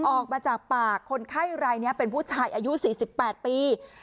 ออกมาจากปากคนไข้รายนี้เป็นผู้ชายอายุ๔๘ปี